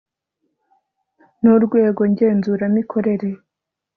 nu rwego ngenzuramikorere